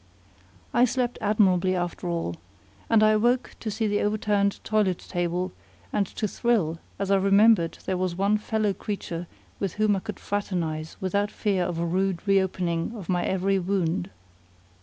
I slept admirably after all; and I awoke to see the overturned toilet table, and to thrill as I remembered there was one fellow creature with whom I could fraternize without fear of a rude reopening of my every wound.